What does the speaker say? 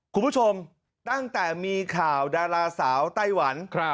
คุณผู้ชมตั้งแต่มีข่าวดาราสาวไต้หวัน